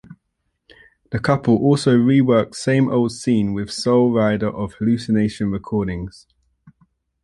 The couple also reworked Same Old Scene with Soul Rider of Hallucination Recordings.